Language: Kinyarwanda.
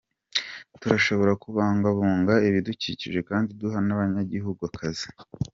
Turashobora kubungabunga ibidukikije kandi duha n'abanyagihugu akazi.